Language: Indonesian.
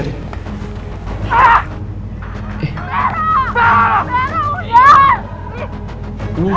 sarah sarah udah